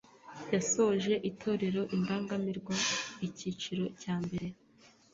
yasoje itorero Indangamirwa icyiciro cya mbere